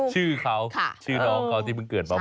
ชื่อเขาชื่อน้องเขาที่เพิ่งเกิดมา